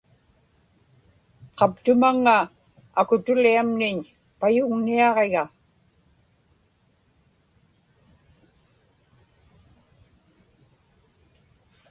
qaptumaŋŋa akutuliamniñ payugniaġiga